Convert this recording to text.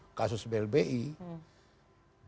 dan itu tidak diselesaikan mereka berdua empat mata hati ke hati